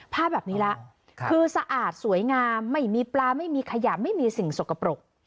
ภาพแบบนี้แล้วคือสะอาดสวยงามไม่มีปลาไม่มีขยะไม่มีสิ่งสกปรก